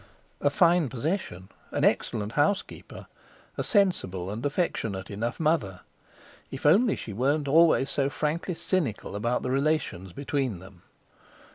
A fine possession, an excellent housekeeper, a sensible and affectionate enough mother. If only she weren't always so frankly cynical about the relations between them!